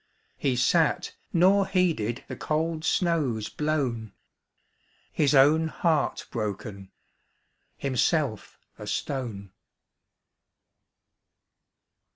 He sat, nor heeded The cold snows blown ŌĆö His own heart broken. Himself a stone.